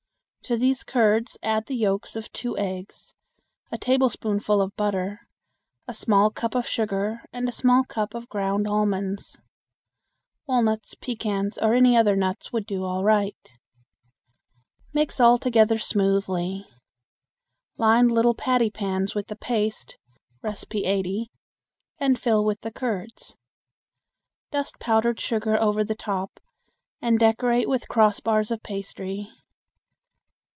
To these curds add the yolks of two eggs, a tablespoonful of butter, a small cup of sugar, and a small cup of ground almonds. Walnuts, pecans, or any other nuts would do all right. Mix all together smoothly. Line little patty pans with the paste (No. 80), and fill with the curds. Dust powdered sugar over the top and decorate with crossbars of pastry.